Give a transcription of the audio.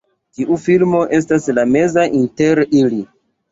Tiu filmo estas la meza inter ili.